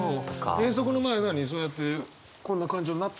遠足の前何そうやってこんな感情になった？